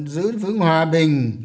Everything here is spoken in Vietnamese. giữ vững hòa bình